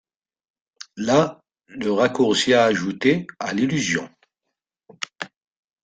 Là le raccourci ajoutait à l'illusion.